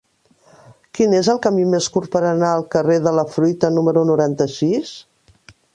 Quin és el camí més curt per anar al carrer de la Fruita número noranta-sis?